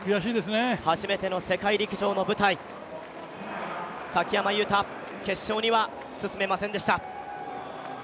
初めての世界陸上の舞台、崎山雄太、決勝には進めませんでした。